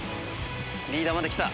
リーダーまで来た。